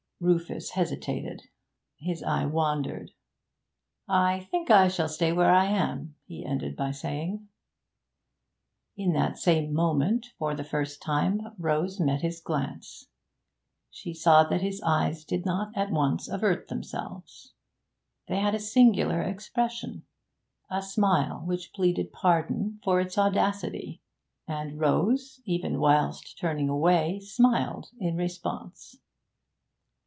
Rufus hesitated. His eye wandered. 'I think I shall stay where I am,' he ended by saying. In that same moment, for the first time, Rose met his glance. She saw that his eyes did not at once avert themselves; they had a singular expression, a smile which pleaded pardon for its audacity. And Rose, even whilst turning away, smiled in response.